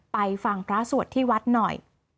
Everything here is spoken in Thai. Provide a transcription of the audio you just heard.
ไปฟังพระสวดที่วัดหน่อย